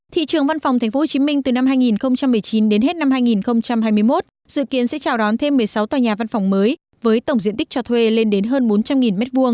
thị trường văn phòng tp hcm từ năm hai nghìn một mươi chín đến hết năm hai nghìn hai mươi một dự kiến sẽ chào đón thêm một mươi sáu tòa nhà văn phòng mới với tổng diện tích cho thuê lên đến hơn bốn trăm linh m hai